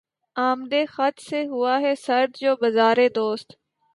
آمدِ خط سے ہوا ہے سرد جو بازارِ دوست